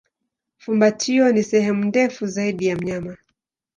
Fumbatio ni sehemu ndefu zaidi ya mnyama.